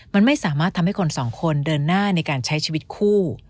มันไม่สามารถทำให้คนสองคนเดินหน้าในการใช้ชีวิตคู่